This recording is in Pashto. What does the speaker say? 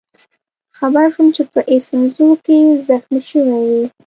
خبر شوم چې په ایسونزو کې زخمي شوی وئ.